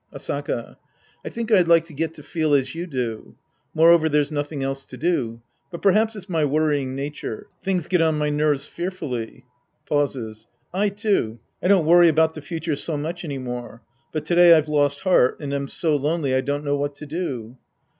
Asaka. I think I'd like to get to feel as you do. Moreover, there's nothing else to do. But perhaps it's my worrying nature. Things get on my nerves fearfully. (^Pauses.) I too. I don't worry about the future so much any more. But to day I've lost heart and am so lonely I don't know what to do.